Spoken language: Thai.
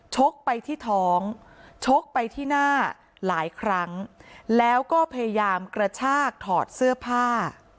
กไปที่ท้องชกไปที่หน้าหลายครั้งแล้วก็พยายามกระชากถอดเสื้อผ้า